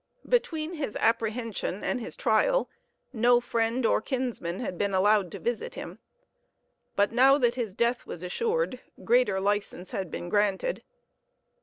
Between his apprehension and his trial no friend or kinsman had been allowed to visit him; but now that his death was assured, greater license had been granted.